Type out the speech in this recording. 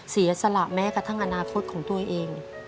เสียสละแม้กระทั่งอนาคตของตัวเอง